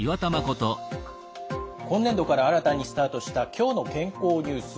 今年度から新たにスタートした「きょうの健康ニュース」。